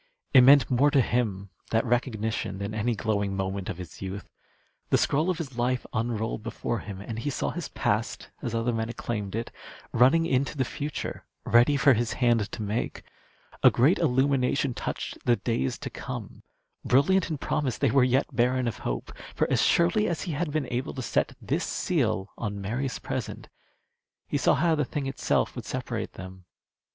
It meant more to him, that recognition, than any glowing moment of his youth. The scroll of his life unrolled before him, and he saw his past, as other men acclaimed it, running into the future ready for his hand to make. A great illumination touched the days to come. Brilliant in promise, they were yet barren of hope. For as surely as he had been able to set this seal on Mary's present, he saw how the thing itself would separate them.